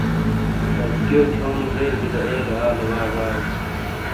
دابکیو تھیونو دیزی گہ ایلے آلے وا ژارو ۔